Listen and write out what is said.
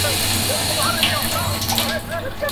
چي زړېږم مخ مي ولي د دعا پر لوري سم سي،